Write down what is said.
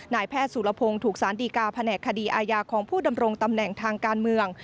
นายแพทย์สุรพงศ์ถูกสารดีกาแผนกคดีอาญาของผู้ดำรงตำแหน่งทางการเมือง